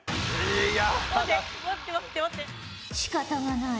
しかたがない。